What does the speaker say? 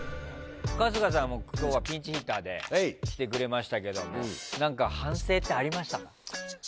春日さんもピンチヒッターで来てくれたけど何か反省ってありました？